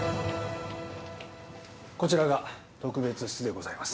こちらが特別室でございます。